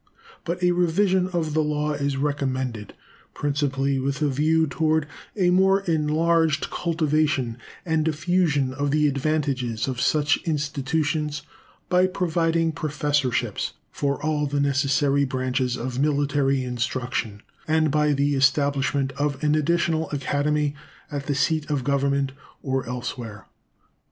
But a revision of the law is recommended, principally with a view to a more enlarged cultivation and diffusion of the advantages of such institutions, by providing professorships for all the necessary branches of military instruction, and by the establishment of an additional academy at the seat of Government or elsewhere.